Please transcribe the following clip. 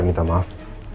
makanya fell apart